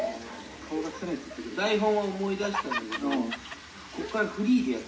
台本は思い出したんだけどこっからフリーでやって。